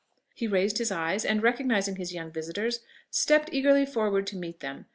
He raised his eyes, and recognising his young visitors, stepped eagerly forward to meet them.